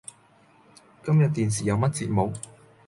今日電視有乜節目？